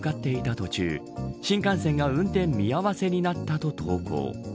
途中新幹線が運転見合わせになったと投稿。